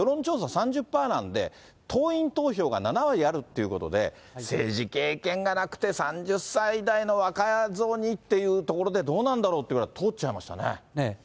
３０パーなんで、党員投票が７割あるっていうことで、政治経験がなくて３０歳代の若造にっていうところで、どうなんだろうって、通っちゃいましたね。